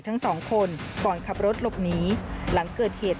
มันกลับมาแล้ว